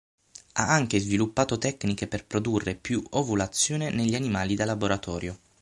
Ha anche sviluppato tecniche per produrre più ovulazione negli animali da laboratorio.